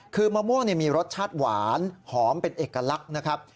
คือมะม่วงมีรสชาติหวานหอมเป็นเอกลักษณ์นะครับ